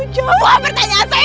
jawab pertanyaan saya